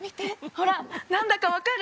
ほら何だか分かる？